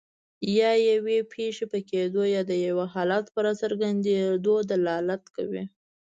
یا یوې پېښې په کیدو یا د یو حالت په راڅرګندیدو دلالت کوي.